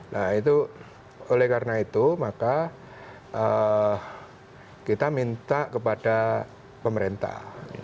nah itu oleh karena itu maka kita minta kepada pemerintah